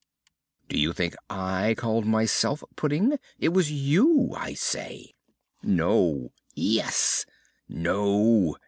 "Do you think I called myself Pudding? It was you, I say!" "No!" "Yes!" "No!"